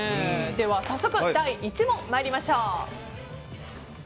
では早速、第１問参りましょう。